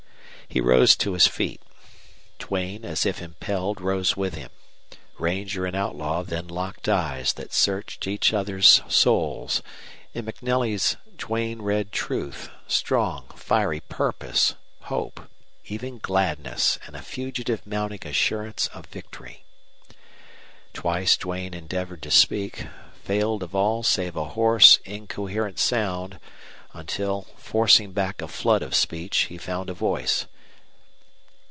He rose to his feet. Duane, as if impelled, rose with him. Ranger and outlaw then locked eyes that searched each other's souls. In MacNelly's Duane read truth, strong, fiery purpose, hope, even gladness, and a fugitive mounting assurance of victory. Twice Duane endeavored to speak, failed of all save a hoarse, incoherent sound, until, forcing back a flood of speech, he found a voice.